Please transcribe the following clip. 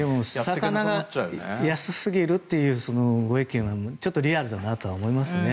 魚が安すぎるというご意見はちょっとリアルだなと思いますね。